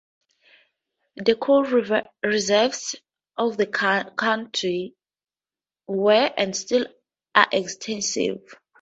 The coal reserves of the country were and still are extensive.